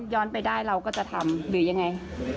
ย้อนไปได้เราก็จะทำหรือยังไง